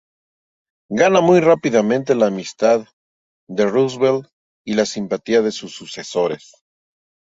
Gana muy rápidamente la amistad de Roosevelt y la simpatía de sus sucesores.